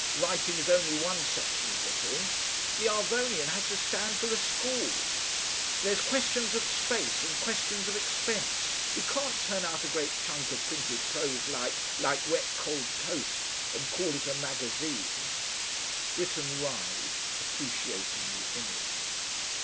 Writing is only one section of the thing. The ARVONIAN has to stand for the school. There's questions of space and questions of expense. We can't turn out a great chunk of printed prose like like wet cold toast and call it a magazine." Britten writhed, appreciating the image.